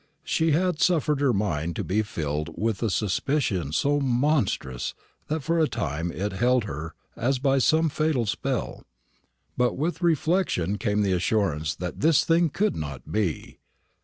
She had suffered her mind to be filled by a suspicion so monstrous, that for a time it held her as by some fatal spell; but with reflection came the assurance that this thing could not be.